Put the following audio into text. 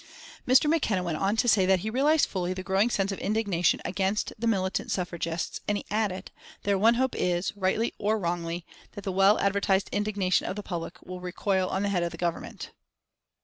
Mr. McKenna went on to say that he realised fully the growing sense of indignation against the militant suffragists and he added, "Their one hope is, rightly or wrongly, that the well advertised indignation of the public will recoil on the head of the Government."